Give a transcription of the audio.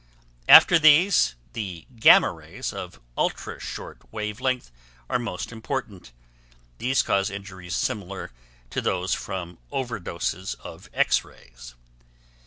After these, the gamma rays of ultra short wave length are most important; these cause injuries similar to those from over doses of X rays.